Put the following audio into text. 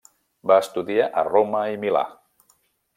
Va estudiar a Roma i Milà.